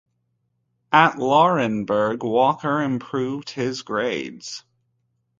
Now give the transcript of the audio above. At Laurinburg, Walker improved his grades.